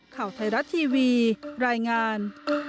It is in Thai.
ข่าวไทยรัฐทีวีรายงาน